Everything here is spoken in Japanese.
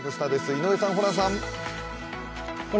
井上さん、ホランさん。